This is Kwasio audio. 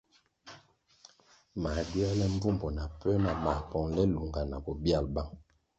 Mā gywēle mbvumbo na puē nah mā pongʼle lunga na bobyal bang.